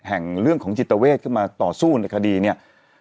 เรื่องของจิตเวทขึ้นมาต่อสู้ในคดีเนี่ย